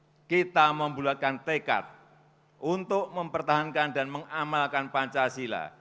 dan ikrar utama kita adalah kita membuatkan tekad untuk mempertahankan dan mengamalkan pancasila